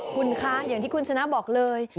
คุณคะอย่างที่คุณชนะบอกเลย